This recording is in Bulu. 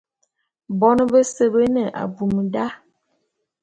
Bon bese be ne abum da.